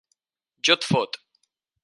Jo et fot!